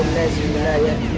gitu lagi iki dua apa dulu